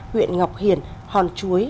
huyện ngọc hiển hòn chuối